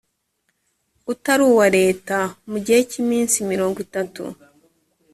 utari uwa leta mu gihe cy iminsi mirongo itatu